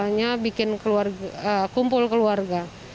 orang tuanya bikin kumpul keluarga